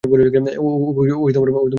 ও কোনও পাগল না।